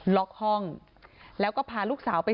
ล็อกห้องแล้วก็พาลูกสาวไป